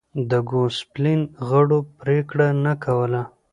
د ګوسپلین غړو پرېکړه نه کوله